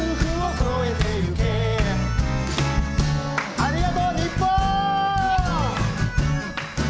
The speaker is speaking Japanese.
ありがとう日本！